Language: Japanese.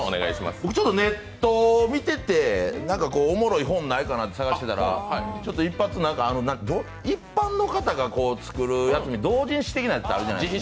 僕ネットを見てて、おもろい本ないかなと探してたら一発、一般の方が作るやつ、同人誌的なやつあるじゃないですか。